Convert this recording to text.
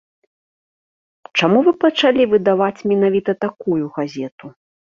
Чаму вы пачалі выдаваць менавіта такую газету?